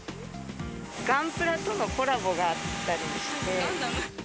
ガンプラとのコラボがあったガンダム。